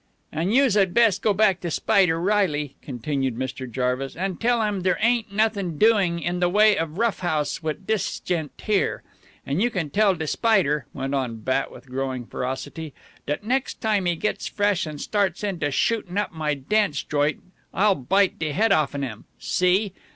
"And youse had best go back to Spider Reilly," continued Mr. Jarvis, "and tell him there ain't nothin' doing in the way of rough house wit' dis gent here. And you can tell de Spider," went on Bat with growing ferocity, "dat next time he gits fresh and starts in to shootin' up my dance joint, I'll bite de head off'n him. See?